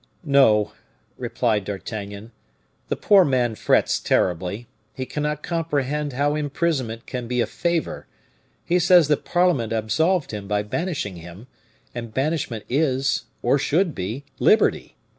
"No," replied D'Artagnan, "the poor man frets terribly; he cannot comprehend how imprisonment can be a favor; he says that parliament absolved him by banishing him, and banishment is, or should be, liberty.